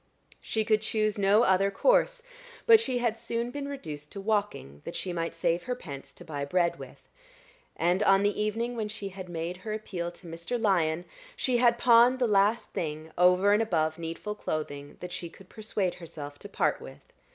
She could choose no other course, but she had soon been reduced to walking, that she might save her pence to buy bread with: and on the evening when she made her appeal to Mr. Lyon, she had pawned the last thing, over and above needful clothing, that she could persuade herself to part with.